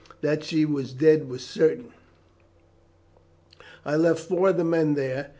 That she was dead was certain. I left four of the men there.